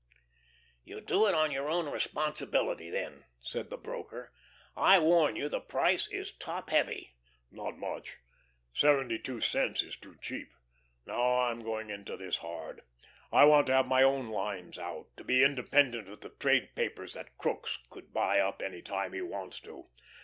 "You do it on your own responsibility, then," said the broker. "I warn you the price is top heavy." "Not much. Seventy two cents is too cheap. Now I'm going into this hard; and I want to have my own lines out to be independent of the trade papers that Crookes could buy up any time he wants to.